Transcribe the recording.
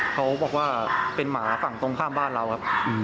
เขาบอกว่าเป็นหมาฝั่งตรงข้ามบ้านเราครับ